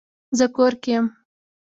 زه کور کې یم